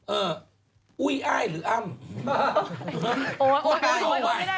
เอออุ้ยอ้ายหรืออัมโอ้ยไม่ได้